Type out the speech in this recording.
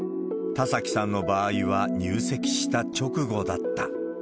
田崎さんの場合は、入籍した直後だった。